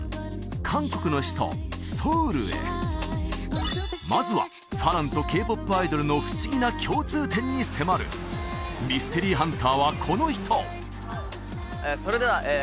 韓国の首都ソウルへまずは花郎とＫ−ＰＯＰアイドルの不思議な共通点に迫るミステリーハンターはこの人！